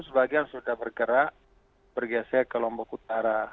sebagian sudah bergerak bergeser ke lombok utara